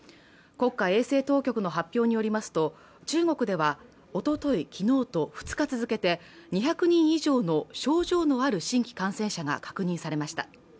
国家衛生当局の発表によりますと中国ではおととい昨日と２日続けて２００人以上の症状のある新規感染者が確認されました